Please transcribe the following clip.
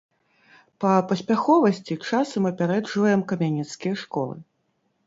Па паспяховасці часам апярэджваем камянецкія школы.